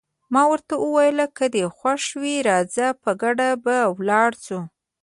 ما ورته وویل: که دې خوښه وي راځه، په ګډه به ولاړ شو.